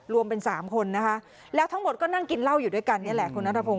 รวมเป็นสามคนนะคะแล้วทั้งหมดก็นั่งกินเหล้าอยู่ด้วยกันนี่แหละคุณนัทพงศ